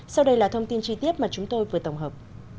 sau đây là thông tin chi tiết mà chúng tôi vừa tổng hợp